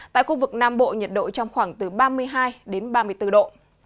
tại khu vực nam bộ nhiệt độ trong khoảng từ ba mươi hai đến ba mươi bốn độ